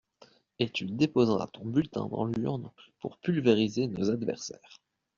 Et tu déposeras ton bulletin dans l'urne pour pulvériser nos adversaires.